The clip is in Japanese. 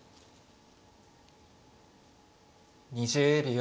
２０秒。